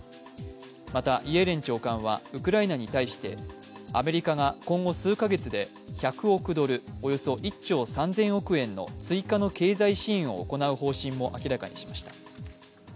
またイエレン長官はウクライナに対してアメリカが今後数か月で１００億ドルおよそ１兆３０００億円の追加の経済支援を行う方針も明らかにしました。